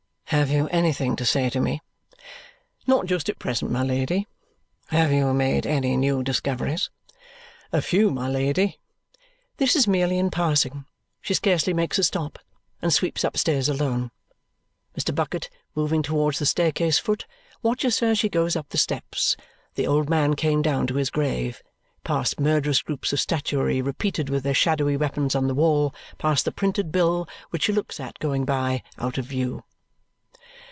"Have you anything to say to me?" "Not just at present, my Lady." "Have you made any new discoveries?" "A few, my Lady." This is merely in passing. She scarcely makes a stop, and sweeps upstairs alone. Mr. Bucket, moving towards the staircase foot, watches her as she goes up the steps the old man came down to his grave, past murderous groups of statuary repeated with their shadowy weapons on the wall, past the printed bill, which she looks at going by, out of view.